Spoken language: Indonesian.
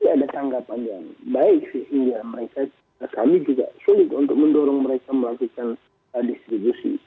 tapi ada tanggapan yang baik sehingga mereka kami juga sulit untuk mendorong mereka melakukan distribusi